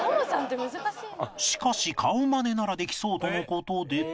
しかし顔まねならできそうとの事で